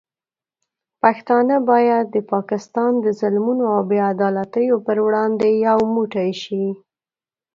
پښتانه باید د پاکستان د ظلمونو او بې عدالتیو پر وړاندې یو موټی شي.